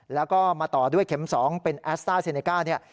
แล้วก็มาต่อด้วยเข็ม๒เป็นแอสตาร์เซเนก้า